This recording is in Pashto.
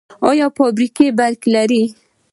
آیا فابریکې برق لري؟